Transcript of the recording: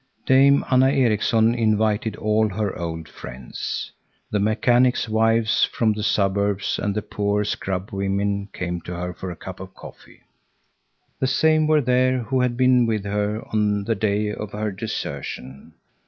Dame Anna Erikson invited all her old friends. The mechanics' wives from the suburbs and the poorer scrub women came to her for a cup of coffee. The same were there who had been with her on the day of her desertion.